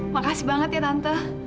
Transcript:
makasih banget ya tante